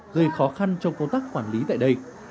gây khó khăn trong công tác quản lý tại đây